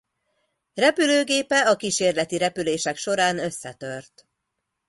Repülőgépe a kísérleti repülések során összetört.